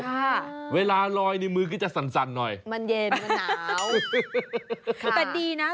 ค่ะเวลาลอยในมือก็จะสั่นสั่นหน่อยมันเย็นมันหนาวแต่ดีนะ